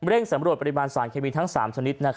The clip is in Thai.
สำรวจปริมาณสารเคมีทั้ง๓ชนิด